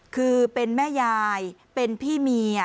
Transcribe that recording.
คือเป็นแม่ยายเป็นพี่เมีย